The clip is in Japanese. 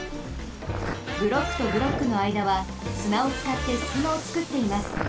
ブロックとブロックのあいだはすなをつかってすきまをつくっています。